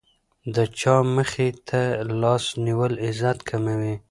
د چا مخې ته لاس نیول عزت کموي.